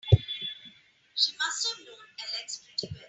She must have known Alex pretty well.